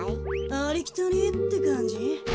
ありきたりってかんじ？